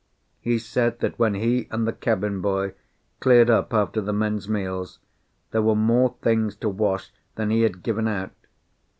He said that when he and the cabin boy cleared up after the men's meals there were more things to wash than he had given out.